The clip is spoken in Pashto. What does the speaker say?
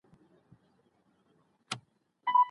د انټرنیټي اسانتیاوو برابرول د عصري زده کړي بنسټیزه اړتیا ده.